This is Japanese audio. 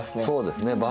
そうですね。